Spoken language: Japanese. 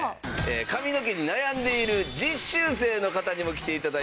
髪の毛に悩んでいる実習生の方にも来て頂いてます。